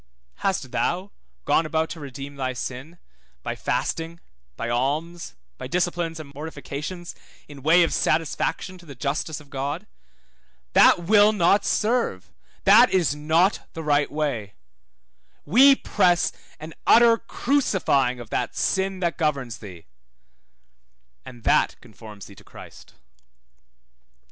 Hast thou gone about to redeem thy sin, by fasting, by alms, by disciplines and mortifications, in way of satisfaction to the justice of God? That will not serve that is not the right way; we press an utter crucifying of that sin that governs thee: and that conforms thee to Christ.